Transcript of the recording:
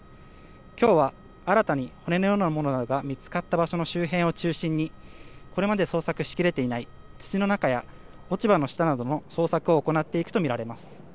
今日は、新たに骨のようなものが見つかった場所の周辺を中心にこれまで捜索しきれていない土の中や落ち葉の下などの捜索を行っていくとみられます。